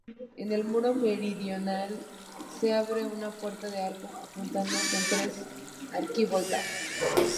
En el muro meridional se abre una puerta de arco apuntado con tres arquivoltas.